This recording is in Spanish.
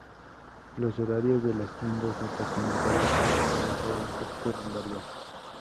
Los horarios de las tiendas departamentales, cines y restaurantes pueden variar.